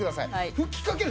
吹きかける。